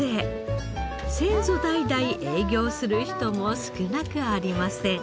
先祖代々営業する人も少なくありません。